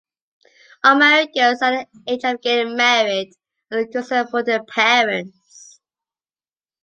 Unmarried girls at the age of getting married are a concern for the parents.